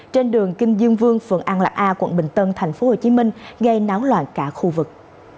trên đường kim dương vương phường an lạc a quận bình tân tp hcm gây náo loạn cả khu vực